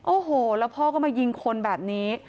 โอ้โหแล้วพ่อก็มายิงคนแบบนี้